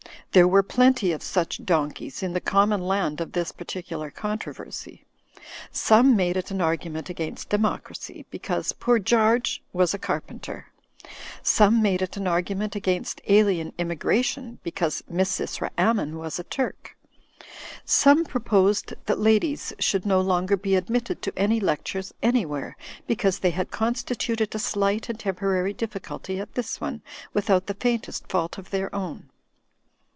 There were plenty of such donkeys in the common land of this particular controversy. Some made it an argument against democracy, because poor Garge was a carpenter. Some made it an argument against Alien Immigration, because Misysra Ammon was a Turk. Some proposed that ladies should no longer be admitted to any lectures anjrwhere, because they had constituted a slight and temporary difficulty at this one, without the faintest fault of their own.